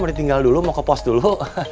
mau ditinggal dulu mau ke pos dulu